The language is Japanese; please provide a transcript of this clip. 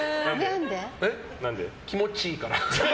気持ちいいから。